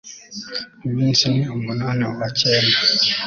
iminsi ni umunani uwa cyenda